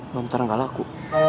lo ntar gak laku